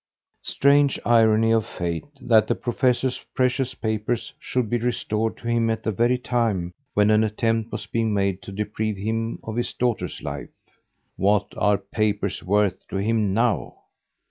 Strange irony of fate that the professor's precious papers should be restored to him at the very time when an attempt was being made to deprive him of his daughter's life! What are papers worth to him now?